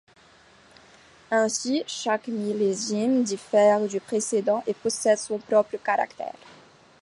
Ainsi chaque millésime diffère du précédent et possède son propre caractère.